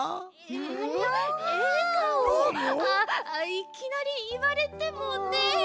いきなりいわれてもねえ。